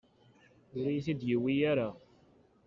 Ur iyi-t-id-yuwi ara.